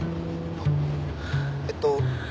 あっえっと。